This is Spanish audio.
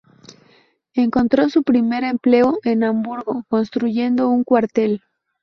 Encontró su primer empleo en Hamburgo, construyendo un cuartel.